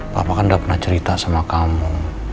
papa kan udah pernah cerita sama kamu